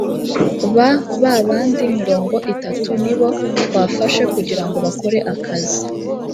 ba babandi mirongo itatu nibo twafashe kugirango bakore akazi